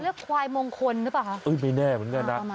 เรียกควายมงคลหรือเปล่าคะประมาณนั้นไม่แน่เหมือนกันนะ